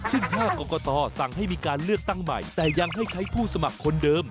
ซึ่งถ้ากรกตสั่งให้มีการเลือกตั้งใหม่แต่ยังให้ใช้ผู้สมัครคนเดิม